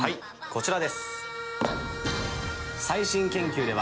こちらです。